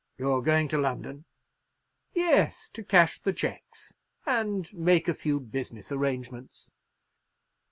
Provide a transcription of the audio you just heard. "You're going to London?" "Yes—to cash the cheques, and make a few business arrangements."